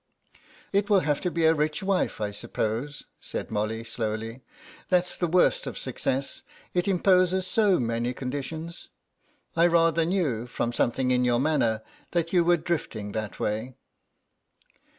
"It will have to be a rich wife, I suppose," said Molly, slowly; "that's the worst of success, it imposes so many conditions. I rather knew, from something in your manner, that you were drifting that way."